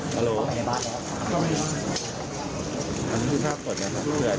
เผื่อเผื่อ